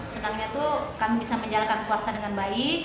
senangnya tuh kami bisa menjalankan puasa dengan baik